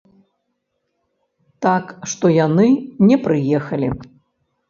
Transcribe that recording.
Так што яны не прыехалі.